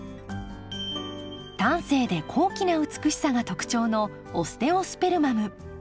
端正で高貴な美しさが特徴のオステオスペルマム。